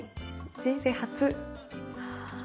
人生初。